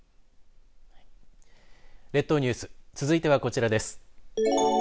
列島ニュース続いてはこちらです。